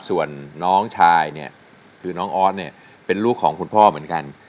ส่วนน้องชายเนี่ยคือน้องออสเนี่ยเป็นลูกของคุณพ่อเหมือนกัน